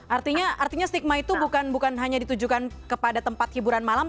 artinya stigma itu bukan hanya ditujukan kepada tempat hiburan malam